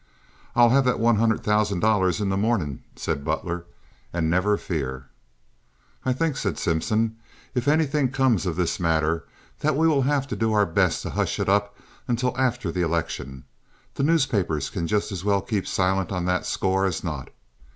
"I'll have that one hundred thousand dollars in the mornin'," said Butler, "and never fear." "I think," said Simpson, "if anything comes of this matter that we will have to do our best to hush it up until after the election. The newspapers can just as well keep silent on that score as not.